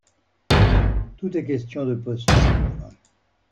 Tout est question de posture.